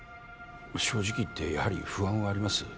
正直言ってやはり不安はあります